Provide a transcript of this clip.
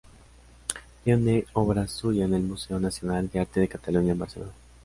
Tiene obra suya en el Museo Nacional de Arte de Cataluña en Barcelona.